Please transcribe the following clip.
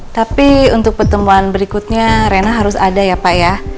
tapi untuk pertemuan berikutnya rena harus ada ya pak ya